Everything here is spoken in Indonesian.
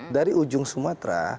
dari ujung sumatera